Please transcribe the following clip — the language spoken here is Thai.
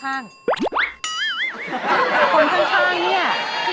คนข้างเนี่ย